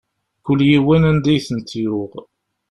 Kul yiwen, anda i tent-yuɣ.